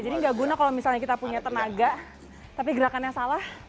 jadi nggak guna kalau misalnya kita punya tenaga tapi gerakannya salah